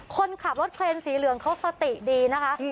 คนขับรถเครนสีเหลืองเขาสติดีนะคะ